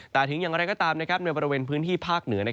แต่ถึงอย่างไรก็ตามในบริเวณพื้นที่ภาคเหนือ